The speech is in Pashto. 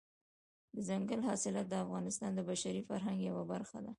دځنګل حاصلات د افغانستان د بشري فرهنګ یوه برخه ده.